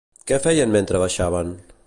Què feien mentre baixaven?